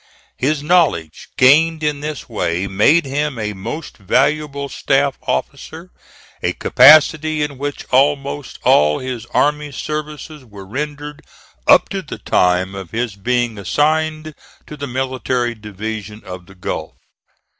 His knowledge gained in this way made him a most valuable staff officer, a capacity in which almost all his army services were rendered up to the time of his being assigned to the Military Division of the Gulf.